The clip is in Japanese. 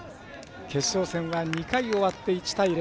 決勝戦は２回、終わって１対０。